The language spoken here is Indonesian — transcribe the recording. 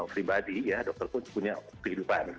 pribadi ya dokter pun punya kehidupan